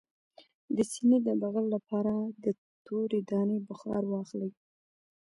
د سینې د بغل لپاره د تورې دانې بخار واخلئ